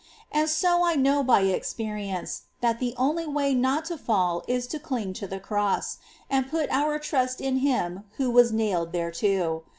And so I know by experience that the only way not to fall is to cling to the cross, and put our trust in Him who was nailed thereto.